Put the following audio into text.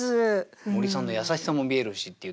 森さんの優しさも見えるしって言ってね。